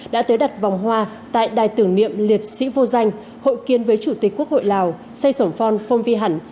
đã tới đặt vòng hoa tại đài tưởng niệm liệt sĩ vô danh hội kiến với chủ tịch quốc hội lào say sổn phong phong vi hẳn